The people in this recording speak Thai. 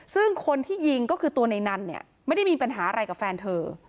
ซึ่งคนที่ยิงก็คือตัวในนั้นเนี่ยไม่ได้มีปัญหาอะไรกับแฟนเธอ